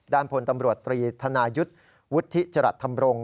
ด้านพลตำรวจตรีธนายุทธิจรัทธรรมรงค์